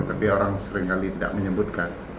tapi orang seringkali tidak menyebutkan